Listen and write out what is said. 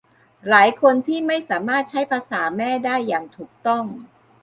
หลายคนที่ไม่สามารถใช้ภาษาแม่ได้อย่างถูกต้อง